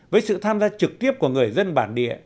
với sự tham gia trực tiếp của người dân bản địa